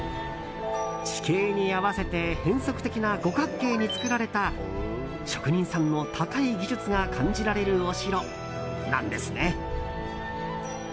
地形に合わせて変則的な五角形に造られた職人さんの高い技術が感じられるお城なんですね。